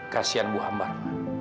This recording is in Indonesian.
kasian bu ambar ma